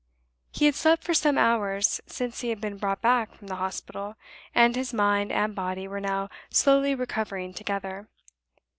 He had slept for some hours since he had been brought back from the hospital; and his mind and body were now slowly recovering together.